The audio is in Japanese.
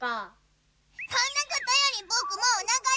そんなことよりぼくもうおなかすいたおなかすいた！